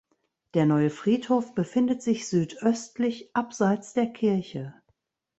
Der neue Friedhof befindet sich südöstlich abseits der Kirche.